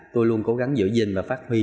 tôi luôn cố gắng giữ gìn và phát huy